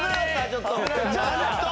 ちょっと。